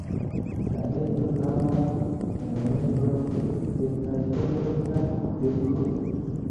La nesto havas fundamenton de sekaj folioj kaj filikoj.